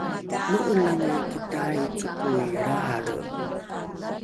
mo’elange iki tai cokoi lrahalre